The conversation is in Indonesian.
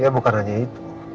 ya bukan hanya itu